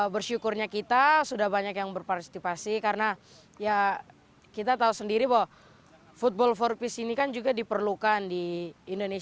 bersyukurnya kita sudah banyak yang berpartisipasi karena ya kita tahu sendiri bahwa football for peace ini kan juga diperlukan di indonesia